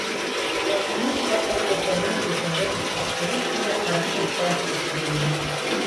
- Мәҙинә ҡапыл күҙҙәрен күтәреп ҡәтғилек тулы ҡарашын Саяфҡа төбәне.